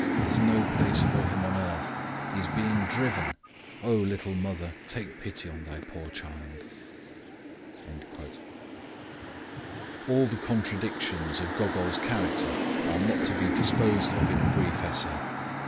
There's no place for him on earth! He's being driven!... Oh, little mother, take pity on thy poor child." All the contradictions of Gogol's character are not to be disposed of in a brief essay.